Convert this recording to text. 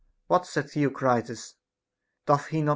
What, said Theocritus, doth he not.